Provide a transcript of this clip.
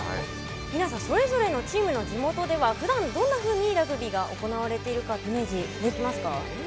皆さんそれぞれのチームの地元ではふだんどんなふうにラグビーが行われているかイメージできますか？